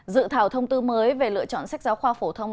dự thảo thông tư mới về lựa chọn sách giáo khoa phổ thông